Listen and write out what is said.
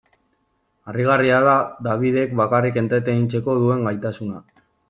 Harrigarria da Dabidek bakarrik entretenitzeko duen gaitasuna.